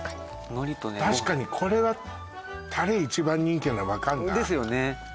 確かにこれはタレ一番人気なの分かんなですよね